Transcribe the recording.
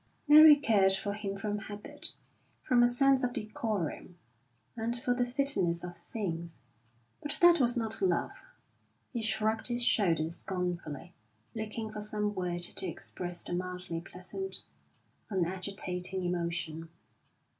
Mary cared for him from habit, from a sense of decorum, and for the fitness of things; but that was not love. He shrugged his shoulders scornfully, looking for some word to express the mildly pleasant, unagitating emotion.